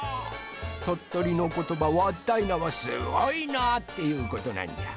とっとりのことば「わったいな」は「すごいな」っていうことなんじゃ。